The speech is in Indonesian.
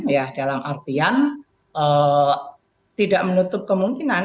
ya dalam artian tidak menutup kemungkinan